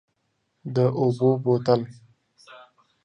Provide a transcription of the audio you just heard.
د اوبو بوتل،